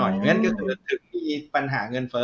อย่างนั้นก็คือถึงมีปัญหาเงินเฟ้อ